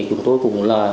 chúng tôi cũng là